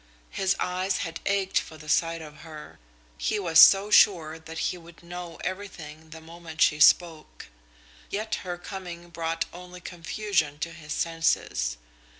His eyes had ached for the sight of her. He was so sure that he would know everything the moment she spoke. Yet her coming brought only confusion to his senses.